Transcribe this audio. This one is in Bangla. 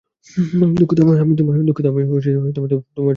দুঃখিত আমি তোমার সঙ্গে সাথে যাচ্ছি না।